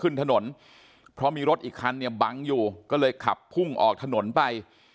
ขึ้นถนนเพราะมีรถอีกคันเนี่ยบังอยู่ก็เลยขับพุ่งออกถนนไป